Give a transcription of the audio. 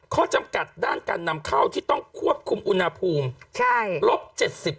ข้อจำกัดด้านการนำเข้าที่ต้องควบคุมอุณหภูมิลบ๗๐